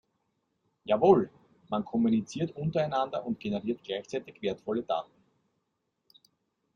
Jawohl, man kommuniziert untereinander und generiert gleichzeitig wertvolle Daten.